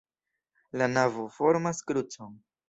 La navo formas krucon.